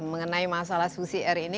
mengenai masalah susi air ini